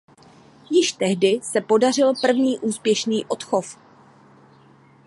Již tehdy se podařil první úspěšný odchov.